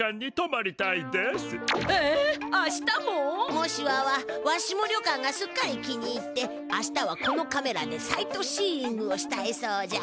モシワはわしも旅館がすっかり気に入って明日はこのカメラでサイトシーイングをしたいそうじゃ。